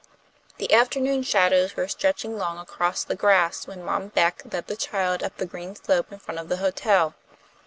The afternoon shadows were stretching long across the grass when Mom Beck led the child up the green slope in front of the hotel.